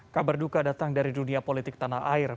kabar duka datang dari dunia politik tanah air